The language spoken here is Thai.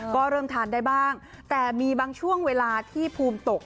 ก็เริ่มทานได้บ้างแต่มีบางช่วงเวลาที่ภูมิตก